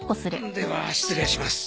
では失礼します。